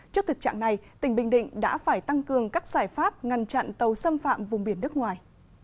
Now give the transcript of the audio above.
trước thực trạng này tỉnh bình định đã phải tăng cường các giải pháp ngăn chặn tàu xâm phạm vùng biển nước ngoài